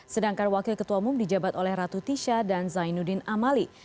sedangkan wakil ketua umum dijabat oleh ratu tisha dan zainuddin amali